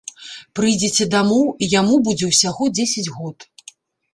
Прыйдзеце дамоў, і яму будзе ўсяго дзесяць год.